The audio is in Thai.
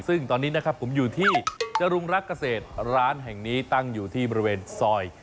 ซึ่งตอนนี้นะครับผมอยู่ที่จรุงรักเกษตรร้านแห่งนี้ตั้งอยู่ที่บริเวณซอย